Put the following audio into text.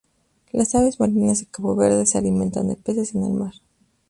Las aves marinas de Cabo Verde se alimentan de peces en el mar.